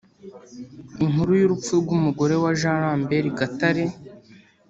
Inkuru y’urupfu rw’umugore wa Jean Lambert Gatare